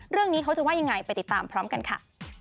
เรื่องนี้เขาจะว่ายังไงไปติดตามพร้อมกันค่ะ